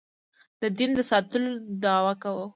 د دین د ساتلو دعوه کوو.